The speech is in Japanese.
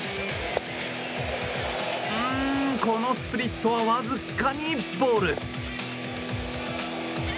うーん、このスプリットはわずかにボール。